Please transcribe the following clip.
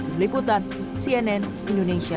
berikutan cnn indonesia